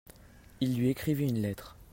Il lui écrivit une lettre.